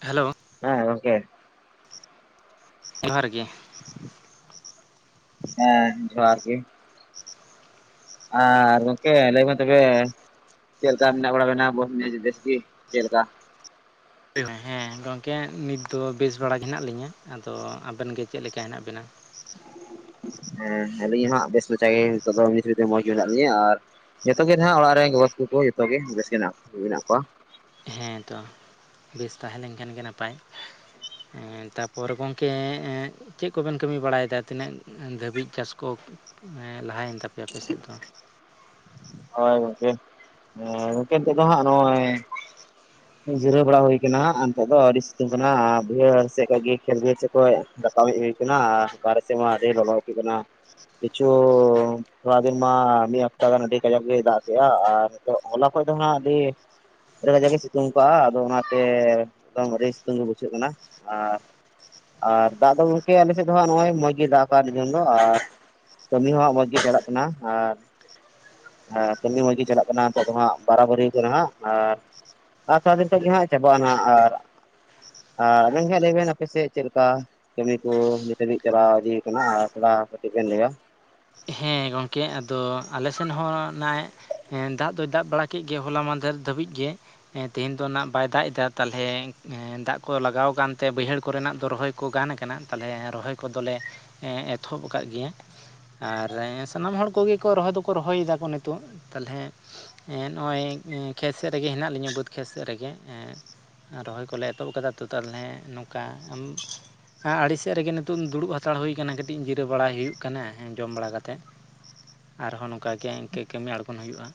Hello ᱦᱮᱸ ᱜᱚᱝᱠᱮ? ᱡᱚᱦᱟᱨ ᱜᱮ ᱦᱮᱸ ᱡᱚᱦᱟᱨ ᱜᱮ ᱟᱨ ᱜᱚᱝᱠᱮ ᱞᱟᱹᱭᱢᱮ ᱛᱚᱵᱮ ᱪᱮᱫ [unintelligible] ᱦᱮᱸ ᱜᱚᱝᱠᱮ ᱱᱤᱛ ᱫᱚ ᱵᱮᱥ ᱵᱟᱲᱟ ᱜᱮ ᱦᱮᱱᱟᱜ ᱞᱤᱧᱟᱹ ᱟᱫᱚ ᱟᱵᱮᱱ ᱜᱮ ᱪᱮᱫ ᱞᱮᱠᱟ ᱦᱮᱱᱟᱜ ᱵᱤᱱᱟ? ᱦᱮᱸ ᱟᱹᱞᱤᱧ ᱦᱟᱸᱜ ᱵᱮᱥ ᱢᱟᱪᱷᱟ ᱜᱮ ᱱᱤᱛᱚᱜ ᱫᱚ [unintelligible] ᱢᱚᱸᱡᱽ ᱜᱮ ᱢᱮᱱᱟᱜ ᱞᱤᱧᱟ ᱟᱨ ᱡᱚᱛᱚ ᱜᱮ ᱱᱟᱦᱟᱜ ᱚᱲᱟᱜ ᱨᱮᱱ ᱜᱚᱜᱚ ᱛᱟᱠᱚ ᱠᱚ ᱡᱚᱛᱚ ᱜᱮ ᱵᱮᱥ ᱜᱮ ᱢᱮᱱᱟᱜ ᱠᱚ ᱢᱮᱱᱟᱜ ᱠᱚᱣᱟ ᱦᱮᱸ ᱛᱚ ᱵᱮᱥ ᱛᱟᱦᱮᱸ ᱞᱮᱱᱠᱷᱟᱱ ᱜᱮ ᱱᱟᱯᱟᱭ ᱮᱸ ᱛᱟᱨᱯᱚᱨ ᱜᱚᱢᱠᱮ ᱮᱸ ᱪᱮᱜ ᱠᱚ ᱵᱮᱱ ᱠᱟᱹᱢᱤ ᱵᱟᱲᱟᱭᱮᱫᱟ ᱛᱤᱱᱟᱹᱜ ᱫᱷᱟᱹᱵᱤᱡ ᱪᱟᱥ ᱠᱚ ᱞᱟᱦᱟᱭᱮᱱ ᱛᱟᱯᱮᱭᱟ ᱟᱯᱮ ᱥᱮᱫ ᱫᱚ? ᱦᱳᱭ ᱜᱚᱝᱠᱮ ᱜᱚᱝᱠᱮ ᱱᱤᱛᱚᱜ ᱫᱚ ᱦᱟᱸᱜ ᱱᱚᱜ-ᱚᱭ ᱡᱤᱨᱟᱹᱣ ᱵᱟᱲᱟ ᱦᱩᱭ ᱟᱠᱟᱱᱟ ᱱᱤᱛᱚᱜ ᱫᱚ ᱟᱹᱰᱤ ᱥᱤᱛᱩᱝ ᱠᱟᱱᱟ ᱵᱟᱹᱭᱦᱟᱹᱲ ᱥᱮᱫ ᱠᱷᱚᱡ [unintelligible] ᱠᱟᱹᱢᱤ ᱦᱩᱭ ᱠᱟᱱᱟ ᱟᱨ ᱵᱟᱨᱮ ᱥᱮᱫ ᱟᱹᱰᱤ ᱞᱚᱞᱚ [unintelligible] ᱠᱟᱱᱟ ᱯᱤᱪᱩ ᱛᱷᱚᱲᱟ ᱫᱤᱱ ᱢᱟ ᱢᱤᱜ ᱦᱟᱯᱛᱟ ᱜᱟᱱ ᱟᱹᱰᱤ ᱠᱟᱡᱟᱠ ᱜᱮᱭ ᱫᱟᱜ ᱠᱮᱜ-ᱟ ᱟᱨ ᱱᱤᱛᱚᱜ ᱦᱚᱞᱟ ᱠᱷᱚᱡ ᱫᱚ ᱦᱟᱸᱜ ᱟᱹᱰᱤ ᱟᱹᱰᱤ ᱠᱟᱡᱟᱠ ᱜᱮ ᱥᱤᱛᱩᱝ ᱠᱚᱜ-ᱟ ᱟᱫᱚ ᱚᱱᱟᱛᱮ ᱮᱠᱫᱚᱢ ᱟᱹᱰᱤ ᱥᱤᱛᱩᱝ ᱜᱮ ᱵᱩᱡᱷᱟᱹᱜ ᱠᱟᱱᱟ ᱟᱨ ᱟᱨ ᱫᱟᱜ ᱜᱚᱝᱠᱮ ᱟᱞᱮ ᱥᱮᱫ ᱫᱚ ᱦᱟᱸᱜ ᱱᱚᱜ-ᱚᱭ ᱢᱚᱡᱽ ᱜᱮ ᱫᱟᱜ ᱠᱚᱜ ᱱᱤᱛᱚᱝ ᱫᱚ ᱟᱨ ᱠᱟᱹᱢᱤ ᱦᱚᱸ ᱢᱚᱸᱡᱽ ᱜᱮ ᱪᱟᱞᱟᱜ ᱠᱟᱱᱟ ᱟᱨ ᱠᱟᱹᱢᱤ ᱢᱚᱡᱽ ᱜᱮ ᱪᱟᱞᱟᱜ ᱠᱟᱱᱟ ᱱᱤᱛᱚᱜ ᱫᱚ ᱦᱟᱸᱜ ᱵᱟᱨᱟᱵᱟᱹᱨᱤ ᱠᱟᱱᱟ ᱦᱟᱸᱜ ᱟᱨ [unintelligible] ᱜᱮ ᱦᱟᱸᱜ ᱪᱟᱵᱟᱜ-ᱟ ᱱᱟᱜ ᱟᱨ ᱟᱨ ᱟᱵᱤᱱ ᱜᱮ ᱦᱟᱸᱜ ᱞᱟᱹᱭ ᱵᱮᱱ ᱟᱯᱮᱥᱮᱜ ᱪᱮᱫ ᱞᱮᱠᱟ? ᱠᱟᱹᱢᱤ ᱠᱚ ᱱᱤᱛᱟᱹᱵᱤᱡ ᱪᱟᱞᱟᱣ ᱤᱫᱤ ᱠᱟᱱᱟ ᱟᱨ ᱛᱷᱚᱲᱟ ᱠᱟᱹᱴᱤᱡ ᱵᱮᱱ ᱞᱟᱹᱭᱟ ᱦᱮᱸ ᱜᱚᱝᱠᱮ ᱟᱫᱚ ᱟᱞᱮᱥᱮᱱ ᱦᱚᱸ ᱱᱟᱜᱟᱭ ᱦᱮᱸ ᱫᱟᱜ ᱫᱚᱭ ᱫᱟᱜ ᱵᱟᱲᱟ ᱠᱮᱜ ᱜᱮ ᱦᱚᱞᱟ ᱢᱟᱫᱷᱮᱨ ᱫᱷᱟᱹᱵᱤᱡ ᱜᱮ᱾ ᱛᱮᱦᱮᱧ ᱫᱚ ᱱᱟᱜ ᱵᱟᱭ ᱫᱟᱜ ᱮᱫᱟ ᱛᱟᱦᱞᱮ ᱫᱟᱜ ᱠᱚ ᱞᱟᱜᱟᱣ ᱠᱟᱱᱛᱮ ᱵᱟᱹᱭᱦᱟᱹᱲ ᱠᱚᱨᱮᱱᱟᱜ ᱫᱚ ᱨᱚᱦᱚᱭ ᱠᱚ ᱜᱟᱱ ᱟᱠᱟᱱᱟ ᱛᱟᱞᱦᱮ ᱨᱚᱦᱚᱭ ᱠᱚᱫᱚ ᱞᱮ ᱮᱛᱚᱦᱚᱵ ᱠᱟᱜ ᱜᱮᱭᱟ ᱟᱨ ᱥᱟᱱᱟᱢ ᱦᱚᱲ ᱠᱚᱜᱮ ᱠᱚ ᱨᱚᱦᱚᱭ ᱫᱚᱠᱚ ᱨᱚᱦᱚᱭ ᱫᱟ ᱠᱚ ᱱᱤᱛᱚᱜ ᱛᱟᱞᱦᱮ ᱮ ᱱᱚᱜ-ᱚᱭ ᱠᱷᱮᱛ ᱥᱮᱜ ᱨᱮᱜᱮ ᱦᱮᱱᱟᱜ ᱞᱤᱧᱟᱹ ᱵᱟᱹᱫᱽ ᱠᱷᱮᱛ ᱥᱮᱜ ᱨᱮᱜᱮ ᱦᱮᱸ ᱨᱚᱦᱚᱭ ᱠᱚᱞᱮ ᱮᱛᱚᱦᱚᱵ ᱠᱟᱫᱟ ᱛᱳ ᱛᱟᱞᱦᱮ ᱱᱚᱝᱠᱟ ᱟᱢ ᱥᱟᱦᱟ ᱟᱲᱤ ᱥᱮᱜ ᱨᱮᱜᱮ ᱱᱤᱛᱚᱝ ᱫᱩᱲᱩᱵ ᱦᱟᱛᱟᱲ ᱦᱩᱭ ᱟᱠᱟᱱᱟ ᱠᱟᱹᱴᱤᱡ ᱡᱤᱨᱟᱹ ᱵᱟᱲᱟᱭ ᱦᱩᱭᱩᱜ ᱠᱟᱱᱟᱸ ᱡᱚᱢ ᱵᱟᱲᱟ ᱠᱟᱛᱮᱜ ᱟᱨᱦᱚᱸ ᱱᱚᱝᱠᱟ ᱜᱮ ᱤᱝ ᱥᱮᱨᱮᱧᱠᱟᱹ ᱠᱟᱹᱢᱤ ᱟᱬᱜᱚᱱ ᱦᱩᱭᱩᱜ-ᱟ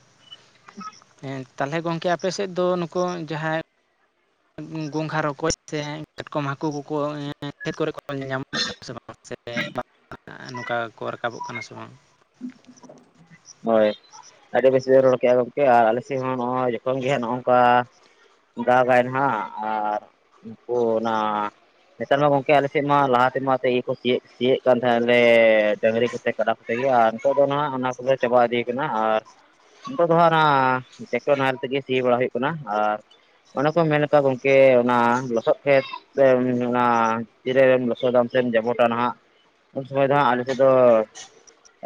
ᱛᱟᱞᱦᱮ ᱜᱚᱝᱠᱮ ᱟᱯᱮ ᱥᱮᱫ ᱫᱚ ᱱᱩᱠᱩ ᱡᱟᱦᱟᱸᱭ ᱜᱚᱝᱜᱷᱟ ᱨᱚᱠᱚᱡ ᱥᱮ ᱠᱟᱴᱠᱚᱢ ᱦᱟᱹᱠᱩ ᱠᱚᱠᱚ ᱠᱷᱮᱛ ᱠᱚᱨᱮ ᱠᱚ [inaudible] ᱱᱚᱝᱠᱟ ᱠᱚ ᱨᱟᱠᱟᱵᱚᱜ ᱠᱟᱱᱟ ᱥᱮ ᱵᱟᱝ? ᱦᱳᱭ ᱟᱹᱰᱤ ᱵᱮᱥ ᱨᱚᱲ ᱠᱮᱜ-ᱟ ᱜᱚᱢᱠᱮ ᱟᱨ ᱟᱞᱮ ᱥᱮᱫ ᱦᱚᱸ ᱱᱚᱜ-ᱚᱭ ᱡᱚᱠᱷᱚᱱ ᱜᱮ ᱦᱟᱸᱜ ᱱᱚᱜ-ᱚᱭ ᱱᱚᱝᱠᱟ ᱫᱟᱜ ᱟᱭ ᱱᱟᱜ ᱟᱨ ᱩᱱᱠᱩ ᱚᱱᱟ ᱱᱮᱛᱟᱨ ᱢᱟ ᱜᱚᱝᱠᱮ ᱟᱞᱮ ᱥᱮᱫ ᱢᱟ ᱞᱟᱦᱟ ᱛᱮᱢᱟ ᱤᱭᱟᱹ ᱛᱮᱠᱚ ᱥᱤᱭᱮᱫ ᱠᱟᱱ ᱛᱟᱦᱮᱸ ᱞᱮ ᱰᱟᱝᱨᱤ ᱠᱚᱛᱮ ᱠᱟᱰᱟ ᱱᱤᱛᱚᱜ ᱫᱚ ᱱᱟᱜ ᱚᱱᱟ ᱠᱚᱫᱚ ᱪᱟᱵᱟ ᱤᱫᱤᱭ ᱠᱟᱱᱟ, ᱟᱨ ᱱᱤᱛᱚᱜ ᱫᱚ ᱦᱟᱸᱜ ᱚᱱᱟ ᱴᱮᱠᱴᱚᱨ ᱱᱟᱦᱮᱞ ᱛᱮᱜᱮ ᱥᱤ ᱵᱟᱲᱟ ᱦᱩᱭᱩᱜ ᱠᱟᱱᱟ, ᱟᱨ ᱚᱱᱮ ᱠᱚ ᱢᱮᱱ ᱞᱮᱠᱟ ᱜᱚᱝᱠᱮ ᱚᱱᱟ ᱞᱚᱥᱚᱫ ᱠᱷᱮᱛ ᱚᱱᱟ ᱛᱤᱨᱮᱢ ᱞᱚᱥᱚᱫ ᱫᱟᱢ ᱥᱮᱢ ᱡᱟᱯᱚᱴᱟ ᱱᱟᱦᱟᱜ ᱩᱱ ᱥᱚᱢᱚᱭ ᱫᱚ ᱦᱟᱸᱜ ᱟᱞᱮ ᱥᱮᱫ ᱫᱚ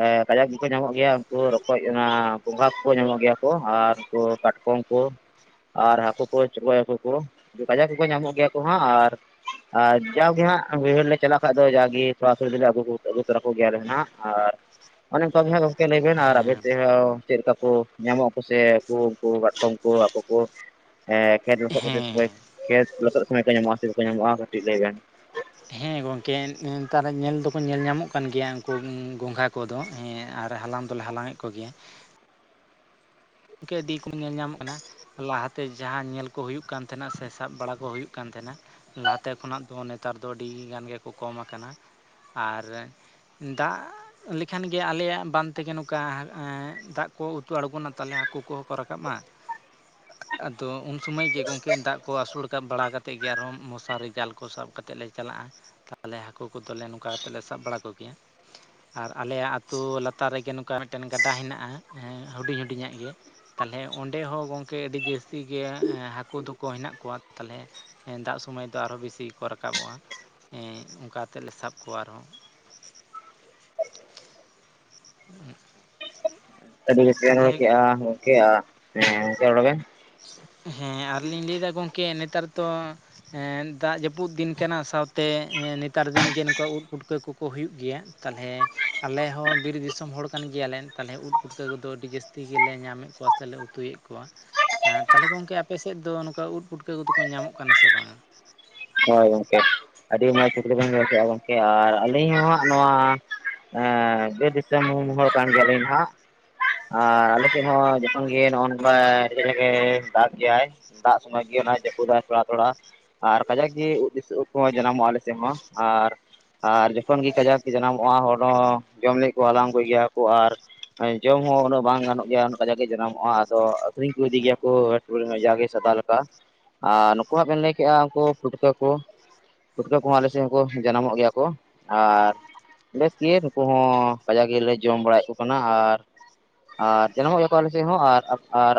ᱮ ᱠᱟᱡᱟᱠ ᱜᱮᱠᱚ ᱧᱟᱢᱚᱜ ᱜᱮᱭᱟ᱾ ᱠᱚ ᱨᱚᱠᱚᱡ ᱚᱱᱟ ᱜᱚᱸᱜᱟ ᱠᱚᱠᱚ ᱧᱟᱢᱚᱜ ᱜᱮᱭᱟ ᱠᱚ ᱟᱨ ᱩᱱᱠᱩ ᱠᱟᱴᱠᱚᱢ ᱠᱚ, ᱟᱨ ᱦᱟᱹᱠᱩ ᱠᱚ ᱪᱚᱲᱜᱚᱡ ᱦᱟᱹᱠᱩ ᱠᱚ ᱠᱟᱡᱟᱠ ᱜᱮᱠᱚ ᱧᱟᱢᱚᱜ ᱜᱮᱭᱟ ᱠᱚ ᱦᱟᱸᱜ, ᱟᱨ ᱟᱨ ᱡᱟᱣᱟᱜᱮ ᱦᱟᱸᱜ ᱵᱟᱹᱭᱦᱟᱹᱲ ᱞᱮ ᱪᱟᱞᱟᱜ ᱠᱷᱟᱡ ᱫᱚ ᱡᱟᱜᱮ ᱛᱷᱚᱲᱟ ᱛᱷᱚᱲᱤ ᱞᱮ ᱟᱹᱜᱩ ᱛᱚᱨᱟ ᱠᱚᱜᱮᱭ ᱟᱞᱮ ᱦᱟᱸᱜ ᱟᱨ ᱚᱱᱮ ᱚᱱᱠᱟ ᱜᱮ ᱦᱟᱸᱜ ᱜᱚᱢᱠᱮ ᱟᱨ ᱟᱵᱮᱱ ᱦᱮᱸ ᱥᱮᱦᱚᱸ ᱪᱮᱫ ᱞᱮᱠᱟ ᱠᱚ ᱧᱟᱢᱚᱜ ᱟᱠ ᱥᱮ ᱦᱟᱹᱠᱩ ᱠᱚ ᱠᱟᱴᱠᱚᱢ ᱠᱚ ᱦᱟᱹᱠᱩ ᱠᱚ, ᱦᱮ ᱠᱷᱮᱛ ᱞᱚᱥᱚᱫ ᱠᱟᱛᱮ ᱦᱮᱸ ᱥᱚᱢᱚᱭ ᱠᱷᱮᱛ ᱞᱚᱥᱚᱫ ᱥᱚᱢᱚᱭ ᱠᱚ ᱧᱟᱢᱚᱜ-ᱟ ᱥᱮ ᱵᱟᱠᱚ ᱧᱟᱢᱚᱜ-ᱟ ᱠᱟᱹᱴᱤᱡ ᱞᱟᱹᱭ ᱵᱮᱱ? ᱦᱮᱸ ᱜᱚᱝᱠᱮ ᱱᱮᱛᱟᱨ ᱧᱮᱞ ᱫᱚᱠᱚ ᱧᱮᱞ ᱧᱟᱢᱚᱜ ᱠᱟᱱ ᱜᱮᱭᱟ ᱩᱱᱠᱩ ᱜᱚᱝᱜᱷᱟ ᱠᱚᱫᱚ ᱦᱮᱸ ᱟᱨ ᱦᱟᱞᱟᱝ ᱫᱚᱞᱮ ᱦᱟᱞᱟᱝ ᱮᱫ ᱠᱚ ᱜᱮᱭᱟ᱾ [unintelligible] ᱠᱚᱢ ᱧᱮᱞ ᱧᱟᱢ ᱠᱟᱱᱟ ᱞᱟᱦᱟᱛᱮ ᱡᱟᱦᱟᱸ ᱧᱮᱞ ᱠᱚ ᱦᱩᱭᱩᱜ ᱠᱟᱱ ᱛᱟᱦᱮᱱᱟ ᱥᱮ ᱥᱟᱵ ᱵᱟᱲᱟ ᱠᱚ ᱦᱩᱭᱩᱜ ᱠᱟᱱ ᱛᱟᱦᱮᱱᱟ, ᱞᱟᱦᱟᱛᱮ ᱠᱷᱚᱱᱟᱜ ᱫᱚ ᱱᱮᱛᱟᱨ ᱫᱚ ᱟᱹᱰᱤ ᱜᱟᱱ ᱜᱮᱠᱚ ᱠᱚᱢ ᱟᱠᱟᱱᱟ, ᱟᱨ ᱫᱟᱜ ᱞᱮᱠᱷᱟᱱ ᱜᱮ ᱟᱞᱮᱭᱟᱜ ᱵᱟᱸᱫᱽ ᱛᱮᱜᱮ ᱱᱚᱝᱠᱟ ᱫᱟᱜ ᱠᱚ ᱩᱛᱩ ᱟᱬᱜᱚᱱᱟ ᱛᱚ, ᱛᱟᱦᱚᱞᱮ ᱦᱟᱹᱠᱩ ᱠᱚᱦᱚᱸ ᱠᱚ ᱨᱟᱠᱟᱵᱟ, ᱟᱫᱚ ᱩᱱ ᱥᱚᱢᱚᱭ ᱜᱮ ᱜᱚᱝᱠᱮ ᱫᱟᱜ ᱠᱚ ᱟᱹᱥᱩᱲ ᱠᱟᱵ ᱵᱟᱲᱟ ᱠᱟᱛᱮᱫ ᱜᱮ ᱟᱨᱦᱚᱸ ᱢᱚᱥᱟᱨᱤ ᱡᱟᱞ ᱠᱚ ᱥᱟᱵ ᱠᱟᱛᱮᱫ ᱞᱮ ᱪᱟᱞᱟᱜ-ᱟ᱾ ᱛᱟᱦᱚᱞᱮ ᱦᱟᱹᱠᱩ ᱠᱚᱫᱚᱞᱮ ᱱᱚᱝᱠᱟ ᱠᱟᱛᱮᱫ ᱞᱮ ᱥᱟᱵ ᱵᱟᱲᱟ ᱠᱚᱜᱮᱭᱟ᱾ ᱟᱨ ᱟᱞᱮᱭᱟᱜ ᱟᱹᱛᱩ ᱞᱟᱛᱟᱨ ᱨᱮᱜᱮ ᱱᱚᱝᱠᱟ ᱢᱤᱫᱴᱮᱱ ᱜᱟᱰᱟ ᱦᱮᱱᱟᱜ-ᱟ ᱦᱩᱰᱤᱧ ᱦᱩᱰᱤᱧᱟᱜ ᱜᱮ, ᱛᱟᱦᱚᱞᱮ ᱚᱸᱰᱮ ᱦᱚᱸ ᱜᱚᱝᱠᱮ ᱟᱹᱰᱤ ᱡᱟᱹᱥᱛᱤ ᱜᱮ ᱦᱟᱹᱠᱩ ᱫᱚᱠᱚ ᱦᱮᱱᱟᱜ ᱠᱚᱣᱟ, ᱛᱟᱦᱚᱞᱮ ᱫᱟᱜ ᱥᱚᱢᱚᱭ ᱫᱚ ᱟᱨᱦᱚᱸ ᱵᱮᱥᱤ ᱜᱮᱠᱚ ᱨᱟᱠᱟᱵᱚᱜ-ᱟ ᱚᱱᱠᱟ ᱛᱮᱞᱮ ᱥᱟᱵ ᱠᱚᱣᱟ ᱟᱨᱦᱚᱸ᱾ [unintelligible] ᱛᱟᱞᱦᱮ [unintelligible] ᱦᱮᱸ ᱟᱨ ᱞᱤᱧ ᱞᱟᱹᱭᱫᱟ ᱜᱚᱢᱠᱮ ᱱᱮᱛᱟᱨ ᱫᱚ ᱦᱮᱸ ᱫᱟᱜ ᱡᱟᱹᱯᱩᱫ ᱫᱤᱱ ᱠᱟᱱᱟ ᱥᱟᱸᱣᱛᱮ ᱱᱮᱛᱟᱨ ᱫᱤᱱ ᱜᱮ ᱱᱚᱝᱠᱟ ᱩᱫᱽ ᱯᱩᱴᱠᱟᱹ ᱠᱚᱠᱚ ᱦᱩᱭᱩᱜ ᱜᱮᱭᱟ᱾ ᱛᱟᱦᱚᱞᱮ ᱟᱞᱮ ᱦᱚᱸ ᱵᱤᱨ ᱫᱤᱥᱚᱢ ᱦᱚᱲ ᱠᱟᱱ ᱜᱮᱭᱟᱞᱮ ᱛᱟᱦᱚᱞᱮ ᱩᱫᱽ ᱯᱩᱴᱠᱟᱹ ᱠᱚᱫᱚ ᱟᱹᱰᱤ ᱡᱟᱹᱥᱛᱤ ᱜᱮᱞᱮ ᱧᱟᱢᱮᱫ ᱠᱚᱣᱟ ᱥᱮ ᱞᱮ ᱩᱛᱩᱭᱮᱫ ᱠᱚᱣᱟ᱾ ᱦᱮᱸ ᱛᱟᱦᱚᱞᱮ ᱜᱚᱝᱠᱮ ᱟᱯᱮ ᱥᱮᱫ ᱫᱚ ᱱᱚᱝᱠᱟ ᱩᱫᱽ ᱯᱩᱴᱠᱟᱹ ᱠᱚᱫᱚ ᱠᱚ ᱧᱟᱢᱚᱜ ᱠᱟᱱᱟ ᱥᱮ ᱵᱟᱝ-ᱟ‍? ᱦᱳᱭ ᱜᱚᱝᱠᱮ ᱟᱹᱰᱤ ᱢᱚᱡᱽ [unintelligible] ᱜᱚᱝᱠᱮ ᱟᱨ ᱟᱹᱞᱤᱧ ᱦᱚᱸ ᱦᱟᱸᱜ ᱱᱚᱣᱟ ᱮᱸ ᱵᱤᱨ ᱫᱤᱥᱚᱢ ᱦᱚᱲ ᱠᱟᱱ ᱜᱮᱭᱟᱞᱤᱧ ᱱᱟᱦᱟᱜ᱾ ᱟᱨ ᱟᱞᱮ ᱥᱮᱫ ᱦᱚᱸ ᱡᱚᱠᱷᱚᱱ ᱜᱮ ᱱᱚᱜ-ᱚ ᱱᱚᱝᱠᱟ [unintelligible] ᱫᱟᱜ ᱜᱮᱭᱟᱭ, ᱫᱟᱜ ᱥᱚᱢᱚᱭ ᱜᱮ ᱚᱱᱟ ᱡᱟᱹᱯᱩᱽ ᱫᱟᱭ ᱛᱷᱚᱲᱟ ᱛᱷᱚᱲᱟ ᱟᱨ ᱠᱟᱡᱟᱠ ᱜᱮ ᱫᱤᱥ [unintelligible] ᱩᱫᱽ ᱠᱚᱦᱚᱸ ᱡᱟᱱᱟᱢᱚᱜ-ᱟ ᱟᱞᱮ ᱥᱮᱫ ᱦᱚᱸ ᱟᱨ ᱟᱨ ᱡᱚᱠᱷᱚᱱ ᱜᱮ ᱠᱟᱡᱟᱠ ᱜᱤ ᱡᱟᱱᱟᱢᱚᱜ-ᱟ ᱦᱚᱲ ᱦᱚᱸ ᱡᱚᱢ ᱞᱟᱹᱜᱤᱫ ᱠᱚ ᱦᱟᱞᱟᱝ ᱟᱜᱩᱭ ᱜᱮᱭᱟ ᱠᱚ᱾ ᱟᱨ ᱡᱚᱢ ᱦᱚᱸ ᱩᱱᱟᱹᱜ ᱵᱟᱝ ᱜᱟᱱᱚᱜ ᱜᱮᱭᱟ ᱠᱟᱡᱟᱠ ᱜᱮ ᱡᱟᱱᱟᱢᱚᱜ-ᱟ ᱟᱫᱚ ᱟᱹᱠᱷᱨᱤᱧ ᱠᱚ ᱤᱫᱤ ᱜᱮᱭᱟ ᱠᱚ᱾ [unintelligible] ᱡᱟᱜᱮ ᱥᱟᱫᱟ ᱞᱮᱠᱟ ᱟᱨ ᱱᱩᱠᱩ ᱦᱟᱸᱜ ᱵᱮᱱ ᱞᱟᱹᱭ ᱠᱮᱫᱼᱟ, ᱩᱱᱠᱩ ᱯᱩᱴᱠᱟᱹ ᱠᱚᱢᱟ ᱟᱞᱮ ᱥᱮᱫ ᱦᱚᱸᱠᱚ ᱡᱟᱱᱟᱢᱚᱜ ᱜᱮᱭᱟ ᱠᱚ᱾ ᱟᱨ ᱵᱮᱥ ᱜᱮ ᱱᱩᱠᱩ ᱦᱚᱸ ᱠᱟᱡᱟᱜ ᱜᱮᱞᱮ ᱡᱚᱢ ᱵᱟᱲᱟᱭᱮᱫ ᱠᱚ ᱠᱟᱱᱟ, ᱟᱨ ᱟᱨ ᱡᱟᱱᱟᱢᱚᱜ ᱜᱮᱭᱟ ᱠᱚ ᱟᱞᱮ ᱥᱮᱫ ᱦᱚᱸ ᱟᱨ-ᱟᱨ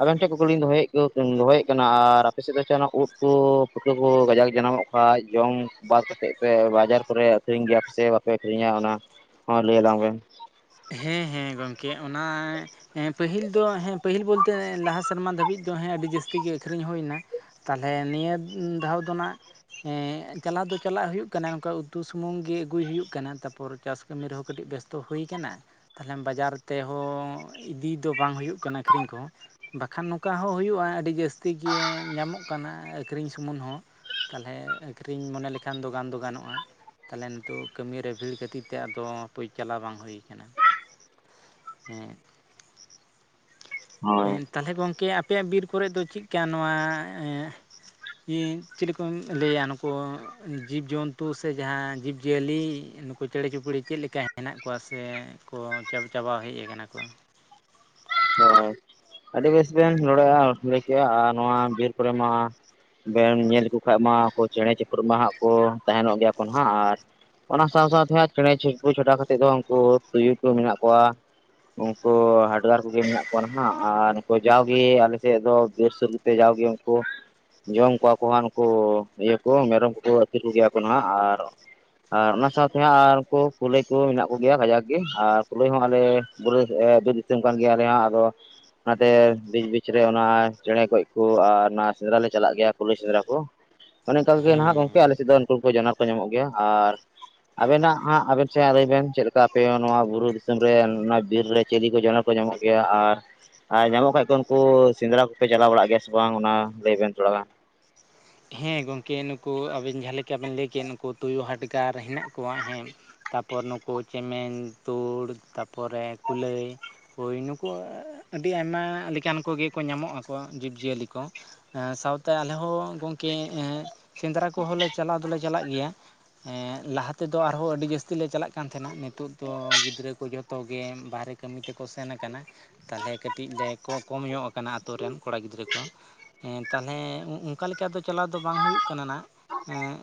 ᱟᱵᱮᱱ ᱴᱷᱮᱱ ᱠᱩᱠᱞᱤᱧ ᱫᱚᱦᱚᱭᱮᱫ ᱠᱚ ᱫᱚᱦᱚᱭᱮᱫ ᱠᱟᱱᱟ᱾ ᱟᱨ ᱟᱯᱮ ᱥᱮᱫ ᱫᱚ ᱥᱮᱱᱟᱜ ᱩᱫᱽ ᱠᱚ ᱯᱩᱴᱠᱟᱹ ᱠᱚ ᱠᱟᱡᱟᱠ ᱡᱟᱱᱟᱢᱚᱜ ᱠᱷᱟᱡ ᱡᱚᱢ ᱵᱟᱫ ᱠᱟᱛᱮᱫ ᱯᱮ ᱵᱟᱡᱟᱨ ᱠᱚᱨᱮ ᱟᱹᱠᱷᱨᱤᱧ ᱜᱮᱭᱟ ᱯᱮ ᱥᱮ ᱵᱟᱯᱮ ᱟᱹᱠᱷᱨᱤᱧᱟ ᱚᱱᱟ ᱦᱚᱸ ᱞᱟᱹᱭ ᱟᱞᱟᱝ ᱵᱮᱱ? ᱦᱮᱸᱻᱦᱮᱸ ᱜᱚᱢᱠᱮ ᱚᱱᱟ ᱦᱮᱸ ᱯᱟᱹᱦᱤᱞ ᱫᱚ ᱦᱮᱸ ᱯᱟᱹᱦᱤᱞ ᱵᱚᱞᱛᱮ ᱞᱟᱦᱟ ᱥᱮᱨᱢᱟ ᱫᱷᱟᱹᱵᱤᱡ ᱫᱚ ᱟᱹᱰᱤ ᱡᱟᱹᱥᱛᱤ ᱜᱮ ᱟᱹᱷᱨᱤᱧ ᱦᱩᱭᱱᱟ᱾ ᱛᱟᱦᱚᱞᱮ ᱱᱤᱭᱟᱹ ᱫᱷᱟᱣ ᱫᱚᱱᱟᱜ ᱪᱟᱞᱟᱣ ᱫᱚ ᱪᱟᱞᱟᱜ ᱦᱩᱭᱩᱜ ᱠᱟᱱᱟ ᱱᱚᱝᱠᱟ ᱩᱛᱩ ᱥᱩᱢᱩᱝ ᱜᱮ ᱟᱹᱜᱩᱭ ᱦᱩᱭᱩᱜ ᱠᱟᱱᱟ᱾ ᱛᱟᱨᱯᱚᱨ ᱪᱟᱥ ᱠᱟᱹᱢᱤ ᱨᱮᱦᱚᱸ ᱠᱟᱹᱴᱤᱡ ᱵᱮᱥᱛᱚ ᱦᱩᱭ ᱠᱟᱱᱟ᱾ ᱛᱟᱦᱚᱞᱮ ᱵᱟᱡᱟᱨ ᱛᱮᱦᱚᱸ ᱤᱫᱤ ᱫᱚ ᱵᱟᱝ ᱦᱩᱭᱩᱜ ᱠᱟᱱᱟ ᱟᱹᱠᱷᱨᱤᱧ ᱠᱚᱦᱚᱸ, ᱵᱟᱠᱷᱟᱱ ᱱᱚᱝᱠᱟ ᱦᱚᱸ ᱦᱩᱭᱩᱜᱼᱟ ᱟᱹᱰᱤ ᱡᱟᱹᱥᱛᱤ ᱜᱮ ᱧᱟᱢᱚᱜ ᱠᱟᱱᱟ ᱟᱹᱠᱷᱨᱤᱧ ᱥᱩᱢᱩᱱ ᱦᱚᱸ, ᱛᱟᱦᱚᱞᱮ ᱟᱹᱠᱷᱨᱤᱧ ᱢᱚᱱᱮ ᱞᱮᱠᱷᱟᱱ ᱫᱚ ᱜᱟᱱ ᱫᱚ ᱜᱟᱱᱚᱜᱼᱟ᱾ ᱛᱟᱦᱚᱞᱮ ᱱᱤᱛᱚᱜ ᱠᱟᱹᱢᱤ ᱨᱮ ᱵᱷᱤᱲ ᱠᱷᱟᱹᱛᱤᱨ ᱛᱮ ᱟᱫᱚ ᱦᱟᱯᱳᱭ ᱪᱟᱞᱟᱣ ᱵᱟᱝ ᱦᱩᱭ ᱟᱠᱟᱱᱟ᱾ ᱦᱮᱸ ᱦᱳᱭ ᱦᱮᱸ ᱛᱟᱦᱚᱞᱮ ᱜᱚᱢᱠᱮ ᱟᱯᱮᱭᱟᱜ ᱵᱤᱨ ᱠᱚᱨᱮ‌ ᱫᱚ ᱪᱮᱫ ᱠᱟ ᱱᱚᱣᱟ ᱮᱻ ᱮᱱ ᱪᱮᱞᱮ ᱠᱚ ᱞᱟᱹᱭᱟ ᱱᱩᱠᱩ ᱡᱤᱵᱽᱼᱡᱚᱱᱛᱩ ᱥᱮ ᱡᱟᱦᱟᱸ ᱡᱤᱵᱽᱼᱡᱤᱭᱟᱹᱞᱤ ᱱᱩᱠᱩ ᱪᱮᱬᱮ ᱪᱩᱯᱚᱲᱤ ᱪᱮᱫ ᱞᱮᱠᱟ ᱦᱮᱱᱟᱜ ᱠᱚᱣᱟ ᱥᱮ ᱠᱚ ᱪᱟᱵ-ᱪᱟᱵᱟ ᱦᱮᱡ ᱠᱟᱱᱟ ᱠᱚ? ᱦᱚᱭ ᱟᱹᱰᱤ ᱵᱮᱥ ᱵᱮᱱ ᱨᱚᱲᱮᱜ ᱼᱟ ᱞᱟᱹᱭ ᱠᱮᱫᱼᱟ᱾ ᱟᱨ ᱱᱚᱣᱟ ᱵᱤᱨ ᱠᱚᱨᱮ ᱢᱟ ᱵᱮᱱ ᱧᱮᱞ ᱞᱮᱠᱚ ᱠᱷᱟᱡ ᱢᱟ ᱪᱮᱸᱬᱮ ᱪᱤᱯᱨᱩ ᱢᱟ ᱦᱟᱸᱜ ᱠᱚ ᱛᱟᱦᱮᱸᱱᱚᱜ ᱜᱮᱭᱟ ᱠᱚ ᱱᱟ-ᱦᱟᱸᱜ ᱟᱨ ᱚᱱᱟ ᱥᱟᱸᱣ ᱥᱟᱸᱣᱛᱮ ᱪᱮᱸᱬᱮ ᱪᱩᱯᱩ ᱪᱷᱟᱰᱟᱣ ᱠᱟᱛᱮᱫ ᱫᱚ ᱩᱱᱠᱩ ᱛᱩᱭᱩ ᱠᱚ ᱢᱮᱱᱟᱜ ᱠᱚᱣᱟ᱾ ᱩᱱᱠᱩ ᱦᱟᱰᱜᱟᱨ ᱠᱚᱜᱮ ᱢᱮᱱᱟᱜ ᱠᱚᱣᱟ ᱱᱟᱦᱟᱜ, ᱟᱨ ᱩᱱᱠᱩ ᱡᱟᱣᱜᱮ ᱟᱞᱮ ᱥᱮᱫ ᱫᱚ ᱵᱤᱨ ᱥᱩᱨᱛᱮ ᱡᱟᱣᱜᱮ ᱩᱱᱠᱩ ᱡᱚᱢ ᱠᱚᱣᱟ ᱠᱚ ᱦᱟᱸᱜ ᱱᱩᱠᱩ ᱤᱭᱟᱹ ᱠᱚ ᱢᱮᱨᱚᱢ ᱠᱚᱠᱚ ᱟᱹᱛᱠᱤᱨ ᱠᱚ‌ ᱜᱮᱭᱟ ᱠᱚ ᱱᱟᱦᱟᱸᱜ ᱾ᱟᱨ ᱟᱨ ᱚᱱᱟ ᱥᱟᱸᱣᱛᱮ ᱦᱟᱸᱜ ᱟᱨ ᱠᱚ ᱠᱩᱞᱟᱹᱭ ᱠᱚ ᱢᱮᱱᱟᱜ ᱠᱚ ᱜᱮᱭᱟ ᱠᱟᱡᱟᱠ ᱜᱮ ᱟᱨ ᱠᱩᱞᱟᱹᱭ ᱦᱚᱸ ᱟᱞᱮ ᱵ ᱧᱩᱛᱩᱢ ᱠᱟᱱ ᱜᱮᱭᱟ ᱟᱞᱮ ᱦᱚᱸ ᱟᱫᱚ᱾ ᱚᱱᱟ ᱛᱮ ᱵᱤᱪ ᱵᱤᱪ ᱨᱮ ᱚᱱᱟ ᱪᱮᱸᱬᱮ ᱜᱚᱡ ᱠᱚ ᱟᱨ ᱚᱱᱟ ᱥᱮᱸᱫᱽᱨᱟ ᱞᱮ ᱪᱟᱞᱟᱜ ᱜᱮᱭᱟ ᱠᱩᱞᱟᱹᱭ ᱥᱮᱸᱫᱽᱨᱟ ᱠᱚ ᱚᱱᱮ ᱚᱱᱠᱟ ᱜᱮ ᱱᱟᱦᱟᱜ ᱦᱮᱸ ᱜᱚᱢᱠᱮ ᱟᱞᱮ ᱥᱮᱫ ᱫᱚ ᱩᱱᱠᱩ ᱠᱚ ᱡᱟᱱᱣᱟᱨ ᱠᱚ ᱧᱟᱢᱚᱜ ᱜᱮᱭᱟ ᱟᱨ ᱟᱵᱮᱱᱟᱜ ᱦᱟᱸᱜ ᱟᱵᱮᱱ ᱥᱮᱫ ᱞᱟᱹᱭ ᱵᱮᱱ ᱪᱮᱫ ᱞᱮᱠᱟ ᱟᱯᱮ ᱱᱚᱣᱟ ᱵᱩᱨᱩ ᱫᱤᱥᱚᱢ ᱨᱮ ᱱᱚᱣᱟ ᱵᱤᱨ ᱨᱮ ᱪᱮᱞᱤ ᱠᱚ ᱡᱚᱱᱚ ᱠᱚ ᱧᱟᱢᱚᱜ ᱜᱮᱭᱟ ᱟᱨ ᱟᱨ ᱧᱟᱢᱚᱜ ᱠᱷᱟᱡ ᱠᱚ ᱩᱱᱠᱩ ᱥᱮᱸᱫᱽᱨᱟ ᱠᱚᱯᱮ ᱪᱟᱞᱟᱣ ᱵᱟᱲᱟᱜ ᱜᱮᱭᱟ ᱥᱮ ᱵᱟᱝ ᱚᱱᱟ ᱞᱟᱹᱭ ᱵᱮᱱ ᱛᱷᱚᱲᱟ ᱜᱟᱱ ᱦᱮᱸ ᱜᱚᱢᱠᱮ ᱱᱩᱠᱩ ᱟᱵᱤᱱ ᱡᱟᱦᱟᱸ ᱞᱮᱠᱟ ᱵᱮᱱ ᱞᱟᱹᱭ ᱠᱮᱜ ᱱᱩᱠᱩ ᱛᱩᱭᱩ, ᱦᱟᱰᱜᱟᱨ ᱦᱮᱱᱟᱜ ᱠᱚᱣᱟ ᱦᱮᱸ ᱛᱟᱯᱚᱨ ᱱᱩᱠᱩ ᱪᱮᱢᱮᱧ, ᱛᱩᱲ ᱛᱟᱯᱚᱨᱮ ᱠᱩᱞᱟᱹᱭ ᱦᱳᱭ ᱱᱩᱠᱩ ᱟᱹᱰᱤ ᱟᱭᱢᱟ ᱞᱮᱠᱟᱱ ᱠᱚᱜᱮ ᱠᱚ ᱧᱟᱢᱚᱜ ᱟᱠᱚ ᱡᱤᱵᱽᱡᱤᱭᱟᱹᱞᱤ ᱠᱚ ᱥᱟᱶᱛᱮ ᱟᱞᱮ ᱦᱚᱸ ᱜᱚᱢᱠᱮ ᱥᱮᱸᱫᱽᱨᱟ ᱠᱚᱦᱚᱸ ᱞᱮ ᱪᱟᱞᱟᱣ ᱫᱚᱞᱮ ᱪᱟᱞᱟᱜ ᱜᱮᱭᱟ᱾ ᱮᱜ ᱞᱟᱦᱟ ᱛᱮᱫᱚ ᱟᱨᱦᱚᱸ ᱟᱹᱰᱤ ᱡᱟᱹᱥᱛᱤ ᱞᱮ ᱪᱟᱞᱟᱜ ᱠᱟᱱ ᱛᱟᱦᱮᱱᱟ ᱱᱤᱛᱚᱜ ᱫᱚ ᱜᱤᱫᱽᱨᱟᱹ ᱠᱚ ᱡᱚᱛᱚ ᱡᱚᱛᱚ ᱜᱮ ᱵᱟᱨᱦᱨᱮ ᱠᱟᱹᱢᱤ ᱛᱮᱠᱚ ᱥᱮᱱ ᱟᱠᱟᱱᱟ ᱛᱟᱦᱞᱮ ᱠᱟᱹᱴᱤᱡ ᱞᱮ ᱠᱚᱢ ᱧᱚᱜ ᱟᱠᱟᱱᱟ ᱟᱛᱩ ᱨᱮᱱ ᱠᱚᱲᱟ ᱜᱤᱫᱽᱨᱟᱹ ᱠᱚ ᱦᱮᱸ ᱛᱟᱞᱦᱮ ᱚᱱᱠᱟ ᱞᱮᱠᱟ ᱫᱚ ᱪᱟᱞᱟᱣ ᱫᱚ ᱵᱟᱝ ᱦᱩᱭᱩᱜ ᱠᱟᱱᱟ ᱦᱟᱸᱜ ᱮ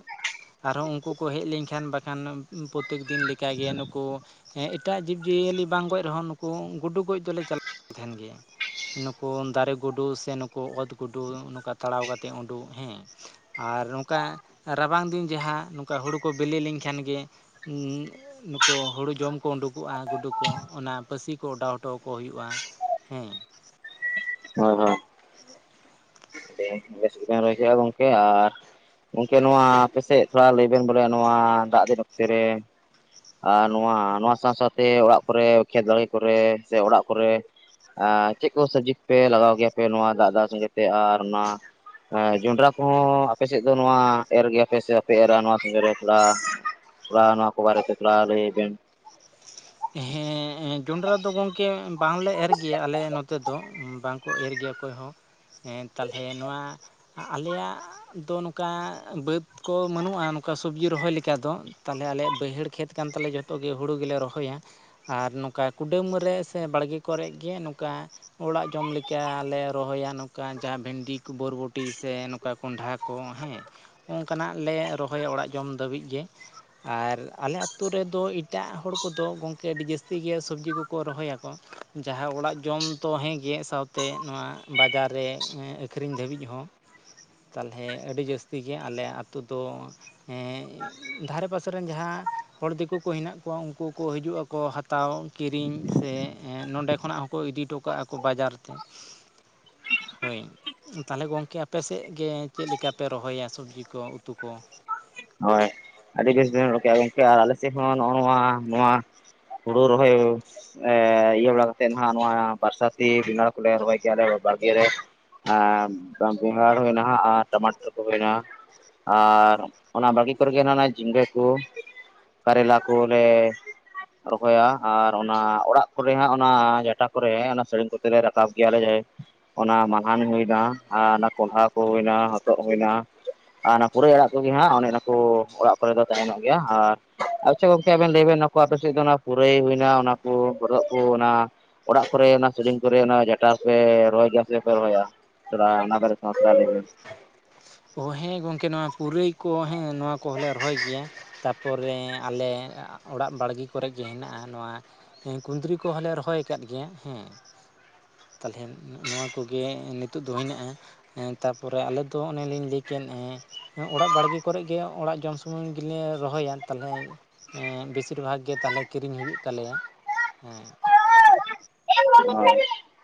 ᱟᱨᱦᱚᱸ ᱩᱱᱠᱩ ᱠᱚ ᱦᱮᱡ ᱞᱤᱧ ᱠᱷᱟᱱ ᱵᱟᱠᱷᱟᱱ ᱯᱨᱚᱛᱮᱠ ᱫᱤᱱ ᱞᱮᱠᱟᱜᱮ ᱱᱩᱠᱩ ᱦᱮᱸ ᱮᱴᱟᱜ ᱡᱤᱵᱽᱼᱡᱤᱭᱟᱹᱞᱤ ᱵᱟᱝ ᱜᱚᱡ ᱨᱮᱦᱚᱸ ᱱᱩᱠᱩ ᱜᱩᱰᱩ ᱜᱚᱡ ᱫᱚᱞᱮ ᱪᱟᱞᱟᱜ ᱛᱮᱦᱮᱱ ᱜᱮᱭᱟ᱾ ᱱᱩᱠᱩ ᱫᱟᱨᱮ ᱜᱩᱰᱩ ᱥᱮ ᱱᱩᱠᱩ ᱚᱛ ᱜᱩᱰᱩ ᱱᱚᱝᱠᱟ ᱛᱟᱲᱟᱣ ᱠᱟᱛᱮ ᱩᱰᱩᱜ ᱦᱮᱸ ᱟᱨ ᱱᱚᱝᱠᱟ ᱨᱟᱵᱟᱝ ᱫᱤᱱ ᱡᱟᱦᱟᱸ ᱱᱚᱝᱠᱟ ᱦᱳᱲᱳ ᱠᱚ ᱵᱤᱞᱤ ᱞᱤᱧ ᱠᱷᱟᱱ ᱜᱮ ᱩᱜ ᱱᱩᱠᱩ ᱦᱩᱲᱩ ᱡᱚᱢ ᱠᱚ ᱩᱰᱩᱠᱚᱜ-ᱟ ᱜᱩᱰᱩ ᱠᱚ ᱚᱱᱟ ᱯᱟᱹᱥᱤ ᱠᱚ ᱚᱰᱟᱣ ᱚᱴᱚᱣᱟᱠᱚ ᱦᱩᱭᱩᱜ-ᱟ᱾ ᱦᱮᱸ [inaudible] ᱵᱮᱱ ᱨᱚᱦᱚᱭ ᱠᱮᱫ-ᱟ ᱜᱚᱢᱠᱮ ᱟᱨ ᱜᱚᱝᱠᱮ ᱱᱚᱣᱟ ᱟᱯᱮ ᱥᱮᱫ ᱛᱷᱚᱲᱟ ᱞᱟᱹᱭ ᱵᱮᱱ ᱵᱚᱞᱮ ᱱᱚᱣᱟ ᱫᱟᱜ ᱫᱤᱱ ᱚᱠᱛᱮ ᱨᱮ ᱟᱨ ᱱᱚᱣᱟ ᱱᱚᱣᱟ ᱥᱟᱶ ᱥᱟᱶᱛᱮ ᱚᱲᱟᱜ ᱠᱚᱨᱮ ᱠᱷᱮᱛ ᱟᱲᱮ ᱠᱚᱨᱮ ᱥᱮ ᱚᱲᱟᱜ ᱠᱚᱨᱮ ᱪᱮᱫ ᱠᱚ ᱥᱚᱵᱡᱤ ᱯᱮ ᱞᱟᱜᱟᱣ ᱜᱮᱭᱟ ᱯᱮ ᱱᱚᱣᱟ ᱫᱟᱜ ᱫᱟᱜ ᱥᱚᱸᱜᱮᱛᱮ ᱟᱨ ᱚᱱᱟ ᱦᱮᱸ ᱡᱚᱸᱰᱨᱟ ᱠᱚᱦᱚᱸ ᱟᱯᱮ ᱥᱮᱫ ᱫᱚ ᱱᱚᱣᱟ ᱮᱨ ᱜᱮᱭᱟᱯᱮ ᱥᱮ ᱵᱟᱯᱮ ᱮᱨᱟ ᱱᱚᱣᱟ ᱥᱤᱡᱤᱱ ᱨᱮ ᱛᱷᱚᱲᱟ ᱛᱷᱚᱲᱟ ᱱᱚᱣᱟ ᱠᱚ ᱵᱟᱨᱮᱛᱮ ᱛᱷᱚᱲᱟ ᱞᱟᱹᱭ ᱵᱮᱱ? ᱦᱮᱸ ᱡᱚᱸᱰᱨᱟ ᱫᱚ ᱜᱚᱝᱠᱮ ᱵᱟᱝᱞᱮ ᱮᱨ ᱜᱮᱭᱟ ᱟᱞᱮ ᱱᱚᱛᱮ ᱫᱚ ᱵᱟᱝᱠᱚ ᱮᱨ ᱜᱮᱭᱟ᱾ ᱚᱠᱚᱭ ᱦᱚᱸ ᱦᱮ ᱛᱟᱞᱦᱮ ᱱᱚᱣᱟ ᱟᱞᱮᱭᱟᱜ ᱫᱚ ᱱᱚᱝᱠᱟ ᱵᱟᱹᱫᱽ ᱠᱚ ᱵᱟᱹᱱᱩᱜ-ᱟ ᱱᱚᱝᱠᱟ ᱥᱚᱵᱡᱤ ᱨᱚᱦᱚᱭ ᱞᱮᱠᱟ ᱫᱚ ᱛᱟᱞᱦᱮ ᱟᱞᱮᱭᱟᱜ ᱵᱟᱹᱭᱦᱟᱹᱲ ᱠᱷᱮᱛ ᱠᱟᱱ ᱛᱟᱞᱮᱭᱟ ᱡᱚᱛᱚ᱾ ᱛᱚ ᱜᱮ ᱦᱩᱲᱩ ᱜᱮᱞᱮ ᱨᱚᱦᱚᱭᱟ᱾ ᱟᱨ ᱱᱚᱝᱠᱟ ᱠᱩᱰᱟᱹᱢ ᱨᱮ ᱥᱮ ᱵᱟᱲᱜᱮ ᱠᱚᱨᱮ ᱜᱮ ᱱᱚᱠᱟ ᱚᱲᱟᱜ ᱡᱚᱢ ᱞᱮᱠᱟ ᱞᱮ ᱨᱚᱦᱚᱭᱟ ᱱᱚᱠᱟ ᱡᱟᱦᱟᱸ ᱵᱷᱮᱱᱰᱤ ᱠᱚ ᱵᱚᱨᱵᱚᱴᱤ ᱥᱮ ᱠᱚᱱᱰᱷᱟ ᱠᱚ ᱦᱮᱸ ᱚᱱᱠᱟᱱᱟᱜ ᱞᱮ ᱨᱚᱦᱚᱭᱟ ᱚᱲᱟᱜ ᱡᱚᱢ ᱫᱷᱟᱹᱵᱤᱡ ᱜᱮ᱾ ᱟᱨ ᱟᱞᱮ ᱟᱹᱛᱩ ᱨᱮᱫᱚ ᱮᱴᱟᱜ ᱦᱚᱲ ᱠᱚᱫᱚ ᱜᱚᱝᱠ ᱠᱮ ᱟᱹᱰᱤ ᱡᱟᱹᱥᱛᱤ ᱜᱮ ᱥᱚᱵᱡᱤ ᱠᱚᱠᱚ ᱨᱚᱦᱚᱭᱟᱠᱚ ᱡᱟᱦᱟᱸ ᱚᱲᱟᱜ ᱡᱚᱢ ᱛᱚ ᱦᱮᱸ ᱜᱮ ᱥᱟᱶ ᱛᱮ ᱱᱚᱣᱟ ᱵᱟᱡᱟᱨ ᱨᱮ ᱟᱹᱠᱷᱨᱤᱧ ᱫᱷᱟᱹᱵᱤᱡ ᱦᱚᱸ᱾ ᱛᱟᱞᱦᱮ ᱟᱹᱰᱤ ᱡᱟᱹᱥᱛᱤ ᱜᱮ ᱟᱞᱮ ᱟᱹᱛᱩ ᱫᱚ ᱦᱮ ᱫᱷᱟᱨᱮ ᱯᱟᱥᱮ ᱨᱮᱱ ᱡᱟᱦᱟᱸ ᱦᱚᱲ ᱫᱤᱠᱩ ᱠᱚ ᱦᱮᱱᱟᱜ ᱠᱚᱣᱟ ᱩᱱᱠᱩ ᱠᱚ ᱦᱤᱡᱩᱜ-ᱟ ᱠᱚ ᱦᱟᱛᱟᱣ ᱠᱤᱨᱤᱧ ᱥᱮ ᱱᱚᱸᱰᱮ ᱠᱷᱚᱱᱟᱜ ᱦᱚᱸᱠᱚ ᱤᱫᱤ ᱴᱚ ᱠᱟᱜ-ᱟ ᱠᱚ ᱵᱟᱡᱟᱨ ᱛᱮ᱾ ᱦᱳᱭ᱾ ᱛᱟᱦᱚᱞᱮ ᱜᱚᱝᱠᱮ ᱟᱯᱮ ᱥᱮᱫ ᱜᱮ ᱪᱮᱫ ᱞᱮᱠᱟᱯᱮ ᱨᱚᱦᱚᱭᱟ ᱥᱚᱵᱽᱡᱤ ᱠᱚ ᱩᱛᱩ ᱠᱚ? ᱦᱳᱭ᱾ ᱟᱹᱰᱤ ᱵᱮᱥ ᱵᱮᱱ ᱨᱚᱲ ᱠᱮᱜ-ᱟ ᱜᱚᱝᱠᱮ ᱟᱨ ᱟᱞᱮ ᱥᱮᱫ ᱦᱚᱸ ᱱᱚᱜ-ᱚ ᱱᱚᱣᱟ ᱱᱚᱣᱟ ᱦᱩᱲᱩ ᱨᱚᱦᱚᱭ ᱮ ᱤᱭᱟᱹ ᱵᱟᱲᱟ ᱠᱟᱛᱮᱫ ᱦᱟᱸᱜ ᱱᱚᱣᱟ ᱵᱟᱨᱥᱟᱛᱤ ᱵᱮᱸᱜᱟᱲ ᱠᱚᱞᱮ ᱨᱚᱦᱚᱭ ᱠᱮᱫᱟ ᱵᱟᱲᱜᱮ ᱨᱮ, ᱮ ᱵᱮᱸᱜᱟᱲ ᱦᱩᱭᱮᱱᱟ ᱦᱟᱸᱜ ᱟᱨ ᱴᱟᱢᱟᱴᱳ ᱠᱚ ᱦᱩᱭᱮᱱᱟ᱾ ᱟᱨ ᱚᱱᱟ ᱵᱷᱟᱲᱜᱤ ᱠᱚᱨᱮᱜᱮ ᱚᱱᱮ ᱚᱱᱟ ᱡᱷᱤᱸᱜᱟᱹ ᱠᱚ᱾ ᱯᱟᱨᱮᱞᱟ ᱠᱚᱞᱮ ᱨᱚᱦᱚᱭᱟ ᱟᱨ ᱚᱱᱟ ᱚᱲᱟᱜ ᱠᱚᱨᱮ ᱦᱟᱸᱜ ᱚᱱᱟ ᱡᱟᱴᱟ ᱠᱚᱨᱮ ᱚᱱᱟ ᱥᱟᱹᱲᱤᱢ ᱠᱚᱛᱮ ᱞᱮ ᱨᱟᱠᱟᱵ ᱜᱮᱭᱟᱞᱮ ᱡᱟᱦᱟᱸ ᱚᱱᱟ ᱢᱟᱞᱦᱟᱱ ᱦᱩᱭᱱᱟ ᱟᱨ ᱚᱱᱟ ᱠᱚᱱᱰᱦᱟ ᱠᱚ ᱦᱩᱭᱱᱟ ᱦᱚᱛᱚᱫ ᱦᱩᱭ ᱱᱟ᱾ ᱟᱨ ᱚᱱᱟ ᱯᱩᱨᱟᱹᱭ ᱟᱲᱟᱜ ᱠᱚᱜᱮ ᱦᱟᱸᱜ ᱚᱱᱮ ᱚᱱᱟ ᱠᱚ ᱚᱲᱟᱜ ᱠᱚᱨᱮ ᱫᱚ ᱛᱟᱦᱮᱱᱚᱜ ᱜᱮᱭᱟ ᱟᱨ ᱟᱪᱪᱷᱟ ᱜᱚᱝᱠᱮ ᱟᱵᱮᱱ ᱞᱟᱹᱭ ᱵᱮᱱ ᱱᱚᱣᱟ ᱠᱚ ᱟᱯᱮ ᱥᱮᱫ ᱫᱚ ᱚᱱᱟ ᱯᱩᱨᱟᱹᱭ ᱦᱩᱭᱱᱟ ᱚᱱᱟ [inaudible] ᱚᱲᱟᱜ ᱠᱚᱨᱮ ᱚᱱᱟ ᱥᱟᱹᱲᱤᱢ ᱠᱚᱨᱮ ᱚᱱᱟ ᱡᱟᱴᱟ ᱠᱚᱨᱮ ᱨᱚᱦᱚᱭ ᱠᱟᱜ ᱥᱮ ᱵᱟᱝᱯᱮ ᱨᱚᱦᱚᱭᱟ? ᱛᱚᱲᱟ ᱚᱱᱟ [unintelligible] ᱚ ᱦᱮᱸ ᱜᱚᱝᱠᱮ ᱱᱚᱣᱟ ᱯᱩᱨᱟᱹᱭ ᱠᱚ ᱦᱮᱸ ᱱᱚᱣᱟ ᱠᱚᱦᱚᱸᱞᱮ ᱨᱚᱦᱚᱭ ᱜᱮᱭᱟ ᱾ ᱛᱟ ᱯᱚᱨᱮ ᱟᱞᱮ ᱚᱲᱟᱜ ᱵᱟᱲᱜᱮ ᱠᱚᱨᱮ ᱜᱮ ᱦᱮᱱᱟᱜ-ᱟ ᱱᱚᱣᱟ ᱦᱮᱸ ᱠᱩᱫᱽᱨᱤ ᱠᱚᱦᱚᱸᱞᱮ ᱨᱚᱦᱚᱭ ᱟᱠᱟᱫ ᱜᱮᱭᱟ ᱦᱮᱸ ᱾ ᱛᱟᱞᱦᱮ ᱱᱚᱣᱟ ᱠᱚᱜᱮ ᱱᱤᱛᱳᱜ ᱫᱚ ᱦᱮᱱᱟᱜ-ᱟ ᱛᱟᱨᱯᱚᱨᱮ ᱟᱞᱮ ᱫᱚ ᱚᱱᱮᱞᱤᱧ ᱞᱟᱹᱭ ᱠᱮᱫ ᱦᱮᱸ ᱚᱲᱟᱜ ᱵᱟᱲᱜᱮ ᱠᱚᱨᱮ ᱜᱮ ᱚᱲᱟᱜ ᱡᱚᱢ ᱥᱩᱢᱩᱝ ᱜᱮᱞᱮ ᱨᱚᱦᱚᱭᱟ ᱛᱟᱞᱦᱮ ᱮᱜ ᱵᱮᱥᱤᱨ ᱵᱷᱟᱜᱽ ᱜᱮ ᱛᱟᱦᱚᱞᱮ ᱠᱤᱨᱤᱧ ᱦᱩᱭᱩᱜ ᱛᱟᱞᱮᱭᱟ ᱦᱮᱸ᱾ [unintelligible]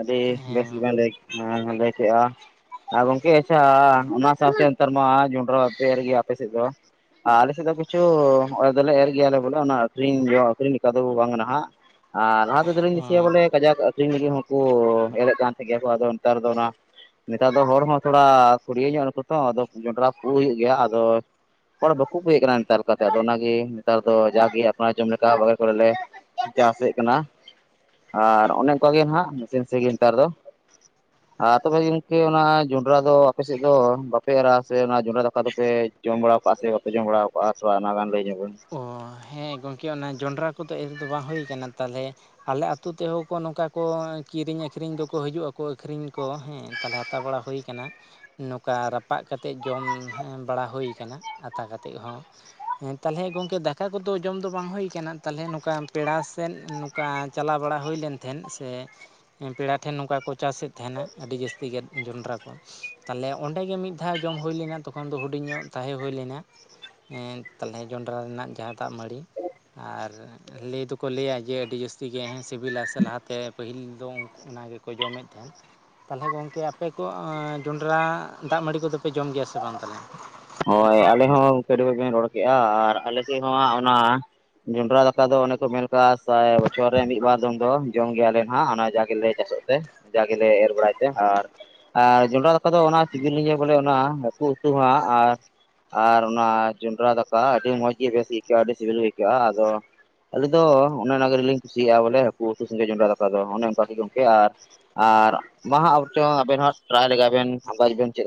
ᱟᱹᱰᱤ ᱦᱮᱸ ᱵᱮᱥ ᱜᱮ ᱵᱮᱱ ᱞᱟᱹᱭ ᱠᱮᱫ ᱞᱟᱹᱭ ᱠᱮᱜ-ᱟ ᱾ ᱟᱨ ᱜᱚᱝᱠᱮ ᱟᱪᱪᱷᱟ ᱚᱱᱟ ᱥᱟᱶᱛᱮ ᱱᱮᱛᱟᱨ ᱢᱟ ᱡᱚᱸᱰᱨᱟ ᱵᱟᱯᱮ ᱮᱨᱜᱮᱭᱟ ᱟᱯᱮ ᱥᱮᱫ ᱫᱚ? ᱟᱞᱮ ᱥᱮᱫ ᱫᱚ ᱠᱤᱪᱷᱩ ᱮᱨ ᱫᱚᱞᱮ ᱮᱨ ᱜᱮᱭᱟᱞᱮ ᱵᱚᱞᱮ ᱚᱱᱟ ᱟᱹᱠᱷᱨᱤ ᱟᱹᱠᱷᱨᱤᱧ ᱞᱮᱠᱟ ᱫᱚ ᱵᱟᱝ ᱦᱟᱱᱚᱜ-ᱟ ᱦᱟᱜ᱾ ᱟᱨ ᱞᱟᱦᱟ ᱛᱮ ᱫᱚ ᱞᱤᱧ ᱚᱸ ᱫᱤᱥᱮᱤᱭᱟ ᱵᱚᱞᱮ ᱠᱟᱡᱟᱠ ᱟᱠᱷᱨᱤᱧ ᱞᱟᱹᱜᱤᱫ ᱦᱚᱸᱠᱚ ᱮᱨᱮᱫ ᱠᱟᱱ ᱛᱟᱦᱮᱸ ᱜᱮᱭᱟ ᱠᱚ ᱟᱫᱚ ᱱᱮᱛᱟᱨ ᱫᱚ ᱚᱱᱟ ᱱᱮᱛᱟᱨ ᱫᱚ ᱦᱚᱲ ᱦᱚᱸ ᱛᱷᱚᱲᱟ ᱠᱩᱲᱭᱟᱹ ᱧᱚᱜ ᱱᱟᱠᱩ ᱛᱚ ᱟᱫᱚ ᱡᱚᱱᱰᱨᱟ ᱯᱩ ᱦᱩᱭᱩᱜ ᱜᱮᱭᱟ ᱟᱫᱚ ᱦᱚᱲ ᱵᱟᱠᱚ ᱯᱩᱭᱮᱫ ᱠᱟᱱᱟ ᱱᱮᱛᱟᱨ ᱞᱮᱠᱟᱛᱮᱫᱚ ᱚᱱᱟᱜᱮ ᱱᱮᱛᱟᱨ ᱫᱚ ᱡᱟᱜᱮ ᱟᱯᱱᱟᱨ ᱡᱚᱢ ᱞᱮᱠᱟ ᱨᱚᱦᱚᱭ ᱵᱟᱲᱟ ᱞᱮ ᱪᱟᱥᱮᱫ ᱠᱟᱱᱟ ᱟᱨ ᱚᱱᱮ ᱚᱱᱠᱟᱜᱮ ᱦᱟᱸᱜ ᱱᱟᱥᱮ ᱱᱟᱥᱮ ᱜᱮ ᱱᱮᱛᱟᱨ ᱫᱚ᱾ [unintelligible] ᱟᱨ ᱛᱚᱵᱮ ᱜᱚᱝᱠᱮ ᱚᱱᱟ ᱡᱚᱸᱰᱨᱟ ᱫᱚ ᱟᱯᱮ ᱥᱮᱫ ᱫᱚ ᱵᱟᱯᱮ ᱮᱨᱟ ᱥᱮ ᱚᱱᱟ ᱡᱚᱸᱰᱨᱟ ᱨᱟᱯᱟᱜ ᱫᱚᱯᱮ ᱡᱚᱢ ᱵᱟᱲᱟᱣ ᱠᱟᱜᱼᱟ ᱥᱮ ᱵᱟᱯᱮ ᱡᱚᱢ ᱵᱟᱲᱟᱣ ᱠᱟᱜᱼᱟ ᱛᱷᱚᱲᱟ ᱚᱱᱟ ᱜᱟᱱ ᱞᱟᱹᱭ ᱧᱚᱜ ᱵᱮᱱ? ᱚ ᱦᱮᱸ ᱜᱚᱢᱠᱮ ᱚᱱᱟ ᱡᱚᱱᱰᱨᱟ ᱠᱚᱫᱚ ᱮᱨ ᱫᱚ ᱵᱟᱝ ᱦᱩᱭ ᱟᱠᱟᱱᱟ ᱛᱟᱦᱚᱞᱮ ᱟᱞᱮ ᱟᱹᱛᱩ ᱛᱮᱦᱚᱸ ᱠᱚ ᱱᱚᱝᱠᱟ ᱠᱚ ᱠᱤᱨᱤᱧ ᱟᱹᱠᱷᱨᱤᱧ ᱫᱚᱠᱚ ᱦᱤᱡᱩᱜ ᱟᱠᱚ ᱟᱹᱠᱷᱨᱤᱧ ᱠᱚ ᱦᱮᱸ ᱾ ᱛᱟᱦᱚᱞᱮ ᱦᱟᱛᱟᱣ ᱵᱟᱲᱟ ᱦᱩᱭ ᱠᱟᱱᱟ ᱾ ᱱᱚᱝᱠᱟ ᱨᱟᱯᱟᱜ ᱠᱟᱛᱮᱫ ᱡᱚᱢ ᱵᱟᱲᱟ ᱦᱩᱭ ᱠᱟᱱᱟ ᱟᱛᱟ ᱠᱟᱛᱮᱫ ᱦᱚᱸ᱾ ᱛᱟᱦᱚᱞᱮ ᱜᱚᱝᱠᱮ ᱫᱟᱠᱟ ᱠᱚᱫᱚ ᱡᱚᱢ ᱫᱚ ᱵᱟᱝ ᱦᱩᱭᱠᱟᱱᱟ ᱛᱟᱦᱚᱞᱮ ᱱᱚᱝᱠᱟ ᱯᱮᱲᱟ ᱥᱮᱫ ᱱᱚᱝᱠᱟ ᱪᱟᱞᱟᱣ ᱵᱟᱲᱟ ᱦᱩᱭᱞᱮᱱᱼᱼ ᱛᱟᱦᱮᱸᱫ ᱥᱮ ᱯᱮᱲᱟ ᱴᱷᱮᱱ ᱱᱚᱝᱠᱟ ᱠᱚ ᱪᱟᱥᱮᱫ ᱛᱟᱦᱮᱱᱟ ᱟᱹᱰᱤ ᱡᱟᱹᱥᱛᱤ ᱜᱮ ᱡᱚᱸᱰᱨᱟ ᱠᱚ ᱾ ᱛᱟᱞᱦᱮ ᱚᱸᱰᱮᱜᱮ ᱢᱤᱫ ᱫᱷᱟᱣ ᱡᱚᱢ ᱦᱩᱭ ᱞᱮᱱᱟ ᱛᱚᱠᱷᱚᱱ ᱫᱚ ᱦᱩᱰᱤᱧ ᱧᱚᱜ ᱛᱟᱦᱮᱸ ᱦᱩᱭ ᱞᱮᱱᱟ ᱮ ᱛᱟᱞᱦᱮ ᱡᱚᱸᱰᱨᱟ ᱨᱮᱱᱟᱜ ᱡᱟᱦᱟᱸ ᱫᱟᱜ ᱢᱟᱹᱲᱤ ᱟᱨ ᱞᱟᱹᱭ ᱫᱚᱠᱚ ᱞᱟᱹᱭᱟ ᱡᱮ ᱟᱹᱰᱤ ᱡᱟᱹᱥᱛᱤ ᱜᱮ ᱦᱮᱸ ᱥᱤᱵᱤᱞᱟ ᱥᱮ ᱞᱟᱦᱟᱛᱮ ᱯᱟᱹᱦᱤᱞ ᱫᱚ ᱚᱱᱟ ᱜᱮᱠᱚ ᱡᱚᱢᱮᱫ ᱛᱟᱦᱮᱸᱫ ᱾ ᱛᱟᱞᱦᱮ ᱜᱚᱝᱠᱮ ᱟᱯᱮ ᱠᱚ ᱡᱚᱸᱰᱨᱟ ᱫᱟᱜ ᱢᱟᱹᱲᱤ ᱠᱚᱫᱚ ᱯᱮ ᱡᱚᱢ ᱜᱮᱭᱟ ᱥᱮ ᱵᱟᱝ ᱛᱟᱞᱦᱮ? ᱦᱳᱭ ᱟᱞᱮ ᱦᱚᱸ ᱠᱟᱹᱰᱤ [unintelligible] ᱨᱚᱲ ᱠᱮᱫᱼᱟ ᱟᱨ ᱟᱞᱮ ᱥᱮᱫ ᱦᱚᱸᱦᱟᱜ ᱚᱱᱟ ᱡᱚᱱᱰᱨᱟ ᱫᱟᱠᱟ ᱫᱚ ᱚᱱᱮ ᱠᱚ ᱢᱮᱱ ᱠᱟᱜ-ᱟ ᱥᱟᱭ ᱵᱚᱪᱷᱚᱨ ᱨᱮ ᱢᱤᱫ ᱵᱟᱨ ᱫᱚᱢ ᱫᱚ ᱡᱚᱢ ᱜᱮᱭᱟᱞᱮ ᱦᱟᱜ ᱚᱱᱟ ᱡᱟ ᱜᱮᱞᱮ ᱪᱟᱥᱮᱫ ᱛᱮ ᱡᱟᱜᱮᱞᱮ ᱮᱨ ᱵᱟᱲᱟᱭ ᱛᱮ ᱟᱨ ᱟᱨ ᱡᱚᱱᱰᱨᱟ ᱫᱟᱠᱟ ᱫᱚ ᱚᱱᱟ ᱥᱤᱵᱤᱞ ᱞᱤᱧᱟ ᱵᱚᱞᱮ ᱚᱱᱟ ᱦᱟᱹᱠᱩ ᱩᱛᱩ ᱦᱟᱜ ᱟᱨ ᱟᱨ ᱚᱱᱟ ᱡᱚᱸᱰᱨᱟ ᱫᱟᱠᱟ ᱟᱹᱰᱤ ᱢᱚᱸᱡᱽ ᱜᱮ ᱵᱮᱥ ᱟᱹᱭᱠᱟᱹᱜᱼᱟ ᱟᱹᱰᱤ ᱥᱤᱵᱤᱞ ᱜᱮ ᱟᱹᱭᱠᱟᱹᱜᱼᱟ ᱟᱫᱚ ᱼᱼ ᱟᱞᱤᱧ ᱫᱚ ᱚᱱᱮ ᱚᱱᱟ ᱜᱮ ᱞᱤᱧ ᱠᱩᱥᱤᱭᱟᱜᱼᱟ ᱵᱚᱞᱮ ᱦᱟᱹᱠᱩ ᱩᱛᱩ ᱥᱟᱜᱮ ᱡᱚᱱᱰᱨᱟ ᱫᱟᱠᱟ ᱫᱚ ᱚᱱᱮ ᱚᱱᱠᱟ ᱱᱤᱭᱚᱢ ᱜᱮ ᱟᱨ ᱟᱨ ᱢᱟᱦᱟ ᱚᱠᱛᱮ ᱦᱚᱸ ᱟᱵᱮᱱ ᱦᱚᱸ ᱴᱨᱟᱭ ᱞᱮᱜᱟᱭ ᱵᱮᱱ [unintelligible] ᱵᱮᱱ ᱪᱮᱫ